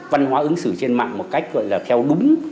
văn hóa ứng xử trên mạng một cách gọi là theo đúng